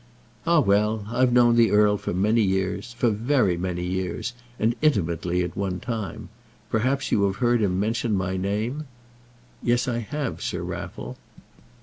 "Ah, well. I've known the earl for many years, for very many years; and intimately at one time. Perhaps you may have heard him mention my name?" "Yes, I have, Sir Raffle."